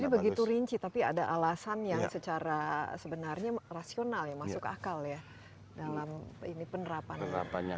ini begitu rinci tapi ada alasan yang secara sebenarnya rasional ya masuk akal ya dalam ini penerapan